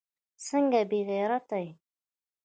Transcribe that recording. څنگه بې غيرتي.